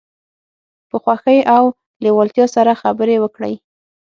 په خوښۍ او لیوالتیا سره خبرې وکړئ.